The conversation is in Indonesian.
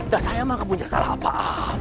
dah saya mah kebunyai salah apa apa